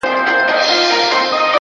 • که سړی هر څه ناروغ وو په ځان خوار وو ,